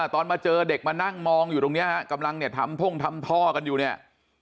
ตอนมาเจอเด็กมานั่งมองอยู่ตรงนี้ฮะกำลังเนี่ยทำท่งทำท่อกันอยู่เนี่ย